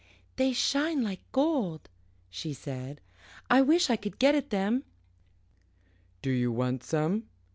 "They shine like gold," she said. "I wish one could get at them!" "Do you want some?"